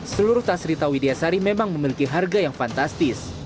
seluruh tas rita widiasari memang memiliki harga yang fantastis